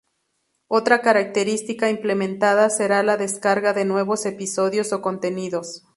Otra característica implementada, será la descarga de nuevos episodios o contenidos.